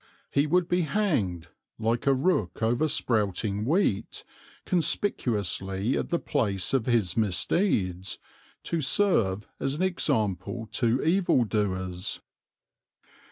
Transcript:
He would be hanged, like a rook over sprouting wheat, conspicuously at the place of his misdeeds, to serve as an example to evildoers.